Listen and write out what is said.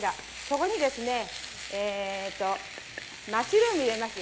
そこにですねマッシュルーム入れます。